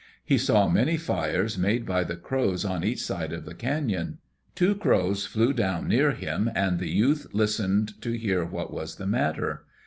He saw many fires made by the crows on each side of the caeon. Two crows flew down near him and the youth listened to hear what was the matter.